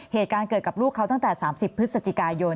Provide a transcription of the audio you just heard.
เหตุการณ์เกิดกับลูกเขาตั้งแต่๓๐พฤศจิกายน